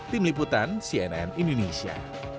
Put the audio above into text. tim liputan cnn indonesia